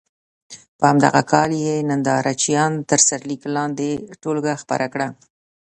په همدغه کال یې ننداره چیان تر سرلیک لاندې ټولګه خپره کړه.